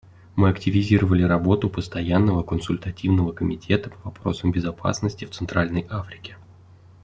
Мы активизировали работу Постоянного консультативного комитета по вопросам безопасности в Центральной Африке.